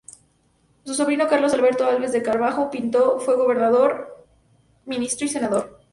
Su sobrino Carlos Alberto Alves de Carvalho Pinto fue gobernador, ministro y senador.